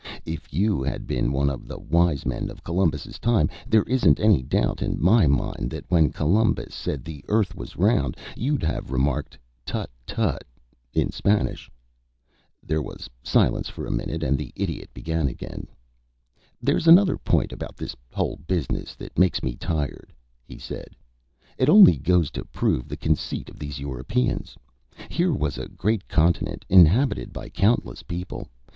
If you had been one of the wise men of Columbus's time there isn't any doubt in my mind that when Columbus said the earth was round, you'd have remarked tutt, tutt, in Spanish." There was silence for a minute, and then the Idiot began again. "There's another point about this whole business that makes me tired," he said. "It only goes to prove the conceit of these Europeans. Here was a great continent inhabited by countless people.